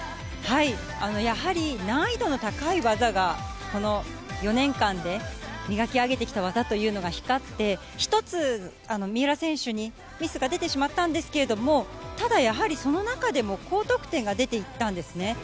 やはり、難易度の高い技がこの４年間で磨き上げてきた技というのが光って１つ、三浦選手にミスが出てしまったんですがただ、やはりその中でも高得点が出ていたんですね。